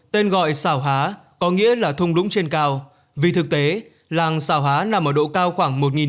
tên gọi sảo há có nghĩa là thung lũng trên cao vì thực tế làng sảo há nằm ở độ cao khoảng